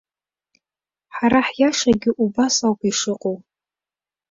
Ҳара ҳиашагьы убас ауп ишыҟоу.